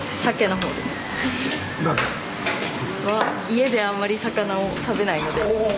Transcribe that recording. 家であんまり魚を食べないので。